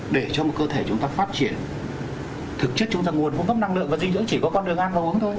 để cho một cơ thể chúng ta phát triển thực chất chúng ta nguồn cung cấp năng lượng và dinh dưỡng chỉ có con đường ăn đồ uống thôi